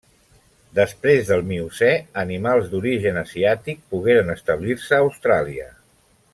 Després del Miocè, animals d'origen asiàtic pogueren establir-se a Austràlia.